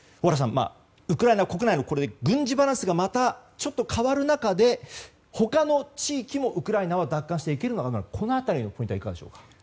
ウクライナ国内の軍事バランスがまたちょっと変わる中で他の地域もウクライナは奪還していけるのかこの辺りのポイントはいかがでしょうか？